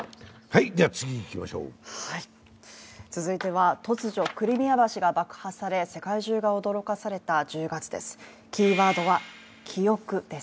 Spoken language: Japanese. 続いては突如クリミア橋が爆破され世界中が驚かされた１０月です。